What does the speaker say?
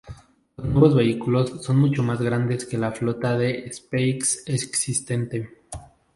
Los nuevos vehículos son mucho más grandes que la flota de SpaceX existente.